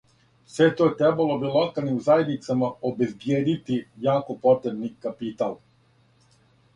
Све то требало би локалним заједницама обезбиједити јако потребни капитал.